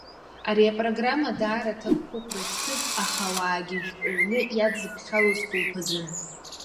Ари апрограмма даара аҭакԥхықәра зцыз, аха ауаагьы жәпаҩны иадзыԥхьалоз хәылԥазын…